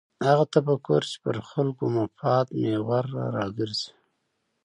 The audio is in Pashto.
هغه تفکر چې پر خلکو مفاد محور راګرځي.